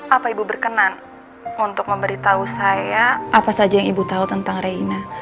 apa ibu berkenan untuk memberitahu saya apa saja yang ibu tahu tentang reina